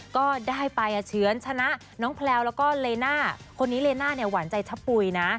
ก็ได้ไปเฉือนชนะน้องแพลวแล้วก็เลน่าคนนี้เลน่าเนี่ยหวานใจชะปุ๋ยนะ